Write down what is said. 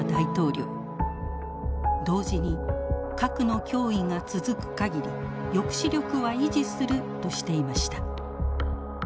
同時に核の脅威が続く限り抑止力は維持するとしていました。